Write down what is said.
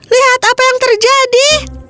lihat apa yang terjadi